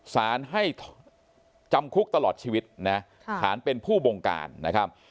สารให้จำคุกตลอดชีวิตนะฐานเป็นผู้บงการนะครับ